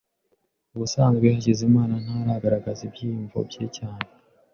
Ubusanzwe Hakizimana ntagaragaza ibyiyumvo bye cyane. (WestofEden)